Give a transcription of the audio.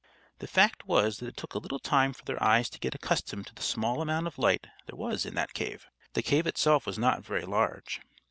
The fact was that it took a little time for their eyes to get accustomed to the small amount of light there was in that cave. The cave itself was not very large.